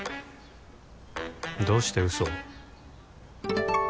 どうして嘘を？